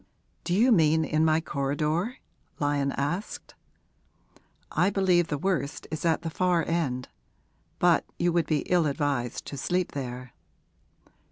'Do you mean in my corridor?' Lyon asked. 'I believe the worst is at the far end. But you would be ill advised to sleep there.'